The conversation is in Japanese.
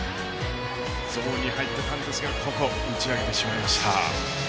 ゾーンに入った感じですがここ、打ち上げてしまいました。